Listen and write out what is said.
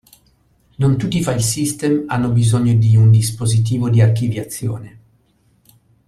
Non tutti i file system hanno bisogno di un dispositivo di archiviazione.